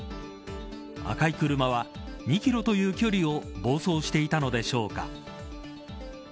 赤い車は、２キロという距離を暴走していたのでしょうか。